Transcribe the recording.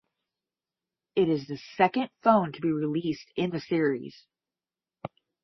It is the second phone to be released in the series.